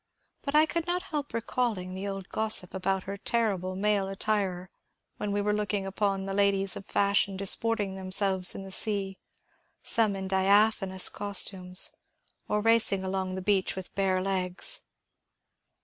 But I could not help recalling the old gossip about her terrible male attire when we were looking upon the ladies of fashion disporting themselves in the sea, some in diaphanous costumes, or racing along the beach with bare legs.